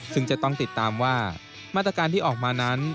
ซึ่งจะต้องติดตามว่ามาตรการที่ออกมานั้น